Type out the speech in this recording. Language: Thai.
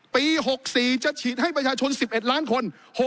ปี๖๔จะฉีดให้ประชาชน๑๑ล้านคน